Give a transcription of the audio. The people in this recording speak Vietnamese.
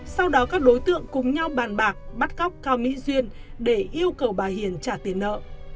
sau đó các đối tượng cùng nhau bàn bạc bắt cóc cao mỹ duyên để yêu cầu bà hiền trả tiền nợ